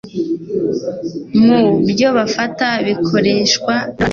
mu byo bafata bikoreshwa nabantu benshi